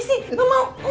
bapak gua mau pergi sih